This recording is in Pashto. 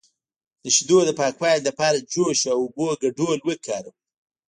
د شیدو د پاکوالي لپاره د جوش او اوبو ګډول وکاروئ